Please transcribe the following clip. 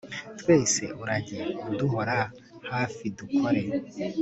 twese, urajye uduhora hafi, dukore